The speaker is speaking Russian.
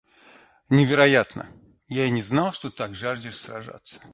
Невероятно! Я и не знал, что ты так жаждешь сражаться.